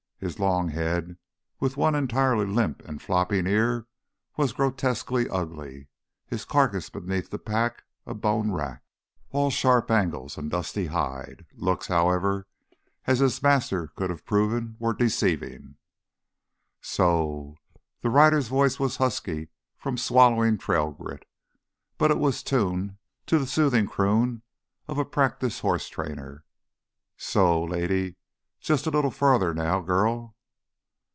His long head, with one entirely limp and flopping ear, was grotesquely ugly, the carcass beneath the pack a bone rack, all sharp angles and dusty hide. Looks, however, as his master could have proven, were deceiving. "Soooo—" The rider's voice was husky from swallowing trail grit, but it was tuned to the soothing croon of a practiced horse trainer. "Sooo—lady, just a little farther now, girl...."